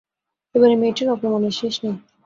এবারে মেয়েটির অপমানের শেষ নেই।